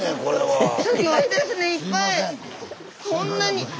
こんなに！